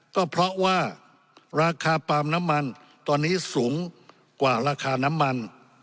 ก็เพราะว่าราคาปาล์มน้ำมันตอนนี้สูงกว่าราคาน้ำมัน